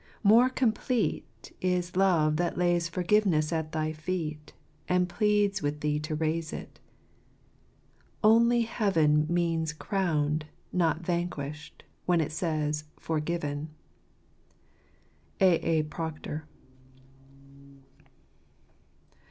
More complete ' i Is Love that lays forgiveness at thy feet, j \ And pleads with thee to raise it. Only he ayen. I \ Means cr owned, not vanquished , whe n it s ays * Forgiven !' ,r I A. A. Proctor.